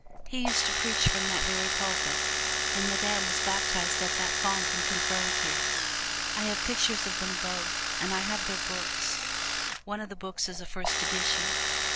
He used to preach from that very pulpit, and Madame was baptized at that font and confirmed here. I have pictures of them both; and I have their books one of the books is a first edition.